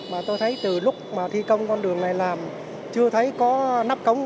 mà tôi thấy từ lúc mà thi công con đường này làm chưa thấy có nắp cống